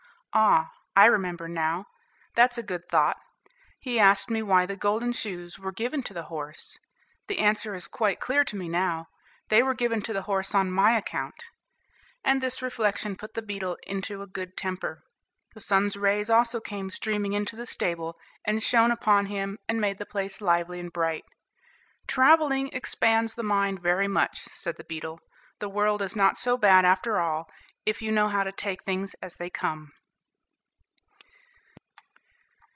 Ah, I remember now, that's a good thought, he asked me why the golden shoes were given to the horse. The answer is quite clear to me, now. They were given to the horse on my account." And this reflection put the beetle into a good temper. The sun's rays also came streaming into the stable, and shone upon him, and made the place lively and bright. "Travelling expands the mind very much," said the beetle. "The world is not so bad after all, if you know how to take things as they come."